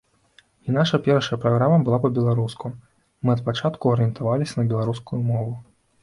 І наша першая праграма была па-беларуску, мы ад пачатку арыентаваліся на беларускую мову.